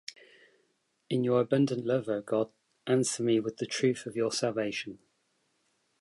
In Your abundant love, O God, answer me with the Truth of Your salvation.